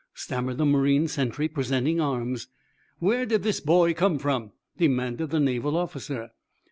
stammered the marine sentry, presenting arms. "Where did this boy come from?" demanded the Naval officer.